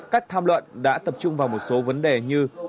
các tham luận đã tập trung vào một số vấn đề như